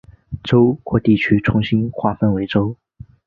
州或地区重新划分为州。